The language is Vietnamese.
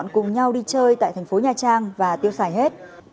cùng nhau đi chơi tại tp nha trang và tiêu xài hết